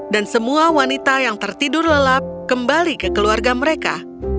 dan semua wanita yang tertidur lelap kembali ke keluarga mereka